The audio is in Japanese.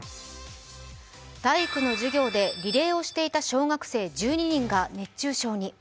体育の授業でリレーをしていた小学生１２人が熱中症に。